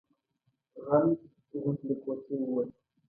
غل غوندې له کوټې ووت.